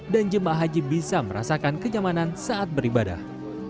dan jemaah haji bisa merasakan kenyamanan saat beribadah